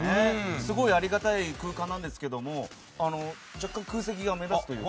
すごくありがたい空間なんですが空席が目立つというか。